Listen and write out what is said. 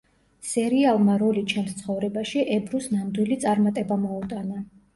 სერიალმა „როლი ჩემს ცხოვრებაში“ ებრუს ნამდვილი წარმატება მოუტანა.